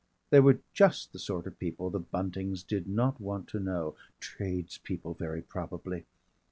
They were just the sort of people the Buntings did not want to know tradespeople very probably.